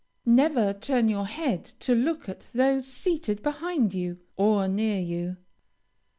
Never turn your head to look at those seated behind you, or near you.